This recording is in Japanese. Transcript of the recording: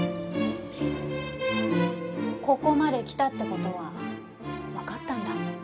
ここまで来たって事はわかったんだ